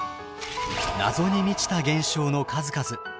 謎に満ちた現象の数々。